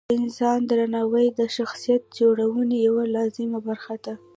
د انسان درناوی د شخصیت جوړونې یوه لازمه برخه ده.